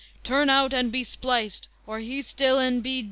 turn out and be spliced, or lie still and be d